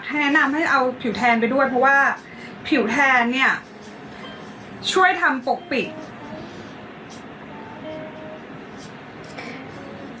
แนะนำให้เอาผิวแทนไปด้วยเพราะว่าผิวแทนเนี่ยช่วยทำปกปิด